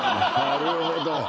なるほど！